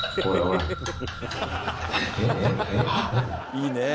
いいねえ。